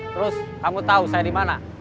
terus kamu tau saya dimana